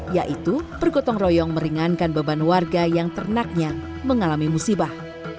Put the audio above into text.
yaitu bergotong royong meringankan beban warga yang ternaknya mengalami musibah